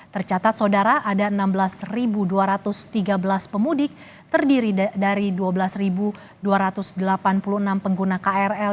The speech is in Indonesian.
tercatat saudara ada enam belas dua ratus tiga belas pemudik terdiri dari dua belas dua ratus delapan puluh enam pengguna krl